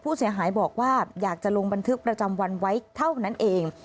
ผู้เสียหายบอกว่าอยากจะลงบันทึกประจำวันไว้เท่านั้นเอง